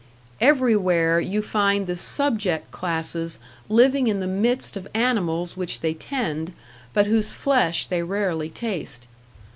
Everywhere you find the subject classes living in the midst of animals which they tend, but whose flesh they rarely taste.